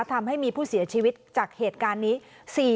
ทำให้มีผู้เสียชีวิตจากเหตุการณ์นี้